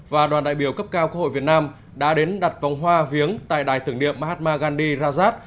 và đoàn đại biểu cấp cao của hội việt nam đã đến đặt vòng hoa viếng tại đài tưởng điệp mahatma gandhi rajad